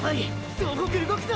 総北動くぞ！